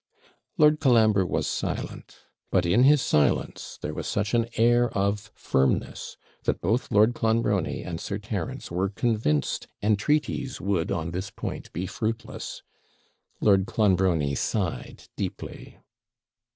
Lord Colambre was silent: but in his silence there was such an air of firmness, that both Lord Clonbrony and Sir Terence were convinced entreaties would on this point be fruitless Lord Clonbrony sighed deeply.